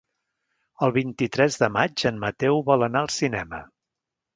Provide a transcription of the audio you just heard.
El vint-i-tres de maig en Mateu vol anar al cinema.